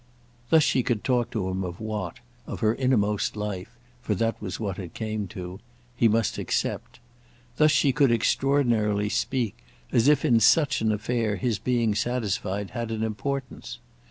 Thus she could talk to him of what, of her innermost life—for that was what it came to—he must "accept"; thus she could extraordinarily speak as if in such an affair his being satisfied had an importance.